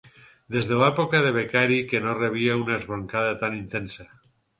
Des de l'època de becari que no rebia una esbroncada tan intensa.